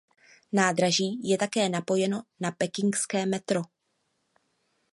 Nádraží je také napojeno na pekingské metro.